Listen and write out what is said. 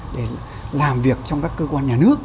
để làm việc trong các cơ quan nhà nước